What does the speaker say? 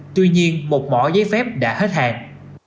tuy nhiên một mỏ giấy phép đã hết hàng